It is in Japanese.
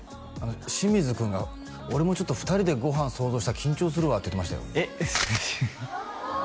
清水くんが俺もちょっと２人でご飯想像したら緊張するわって言ってましたよえっ？